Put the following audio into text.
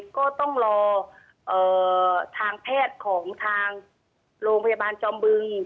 ก็ต้องรอทางแพทย์ของทางโรงพยาบาลจอมบึง